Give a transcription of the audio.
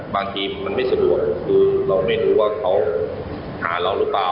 บางทีมันไม่สะดวกคือเราไม่รู้ว่าเขาหาเราหรือเปล่า